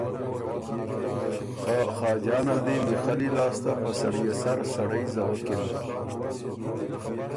خه خاجان ال دی میخلّي لاسته په سړيې سر سړئ زَوَکِن۔